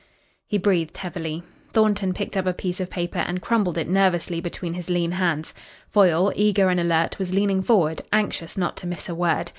He breathed heavily. Thornton picked up a piece of paper and crumbled it nervously between his lean hands. Foyle, eager and alert, was leaning forward, anxious not to miss a word.